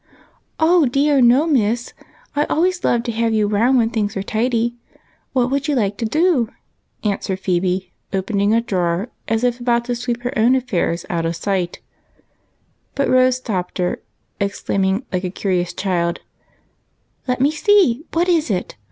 " Oh, dear, no, miss ; I always love to have you round when things are tidy. What would you like to do?" answered Phebe, opening a drawer as if about to sweep her own affairs out of sight : but Rose stopped her, exclaiming, like a curious child, —" Let me see ! What is it